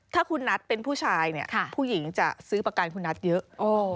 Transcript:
ถ้าคุณนัทเป็นผู้ชายเนี่ยผู้หญิงจะซื้อประกันคุณนัทเยอะ